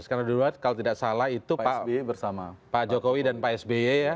skenario dua kalau tidak salah itu pak jokowi dan pak sbe ya